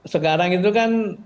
sekarang itu kan